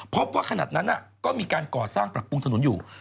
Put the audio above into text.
พบว่าขนาดนั้นก็มีการก่อสร้างปรับปรุงถนนอยู่